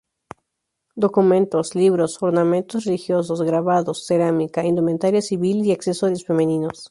Documentos, libros, ornamentos religiosos, grabados, cerámica, indumentaria civil y accesorios femeninos.